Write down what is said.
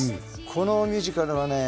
このミュージカルはね